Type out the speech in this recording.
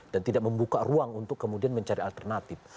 dan tidak membuka ruang untuk kemudian mencari alternatif